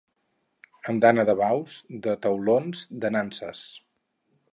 Andana de baus, de taulons, de nanses.